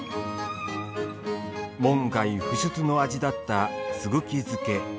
門外不出の味だった、すぐき漬け。